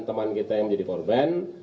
teman kita yang menjadi korban